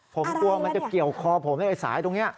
ผมกลัวมันจะเกี่ยวของเราอยู่ในซ้ายตรงนี้